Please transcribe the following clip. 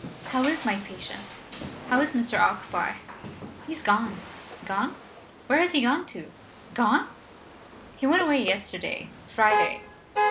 "How is my patient? How is Mr. Oxbye?" "He is gone." "Gone? Where has he gone to? Gone?" "He went away yesterday Friday.